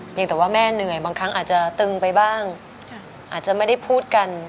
ยังแต่ว่าแม่เหนื่อยบางครั้งอาจจะตึงไปบ้างอาจจะไม่ได้พูดกัน